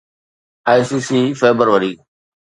ICC February